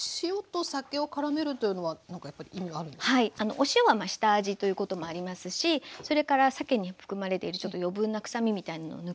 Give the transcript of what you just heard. お塩はまあ下味ということもありますしそれからさけに含まれているちょっと余分な臭みみたいなのが抜けますね。